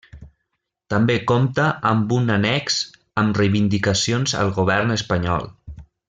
També compta amb un annex amb reivindicacions al Govern espanyol.